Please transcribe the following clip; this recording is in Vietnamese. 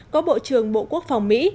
có bộ trưởng bộ quốc phòng mỹ